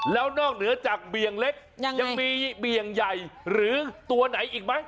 แล้วนอกเหนือจากเบี่ยงเล็กยังมีเบี่ยงใหญ่หรือตัวไหนอีกไหม